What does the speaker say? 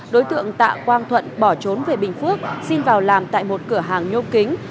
đối tượng tạ quang thuận bỏ trốn về bình phước xin vào làm tại một cửa hàng nhôm kính